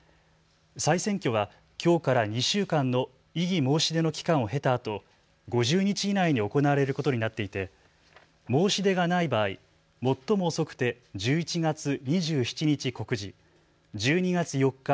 再選挙はきょうから２週間の異議申し出の期間を経たあと５０日以内に行われることになっていて申し出がない場合、最も遅くて１１月２７日告示、１２月４日